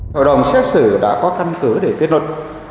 hội đồng xét xử đã có căn cứ để kết luận